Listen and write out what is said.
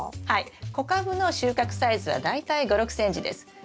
はい小カブの収穫サイズは大体５６ｃｍです。